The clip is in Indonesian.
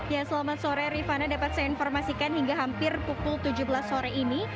ya selamat sore rifana dapat saya informasikan hingga hampir pukul tujuh belas sore ini